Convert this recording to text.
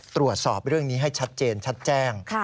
ตรวจสอบเรื่องนี้ให้ชัดเจนชัดแจ้ง